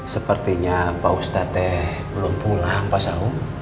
sepertinya pak ustadz belum pulang pak saun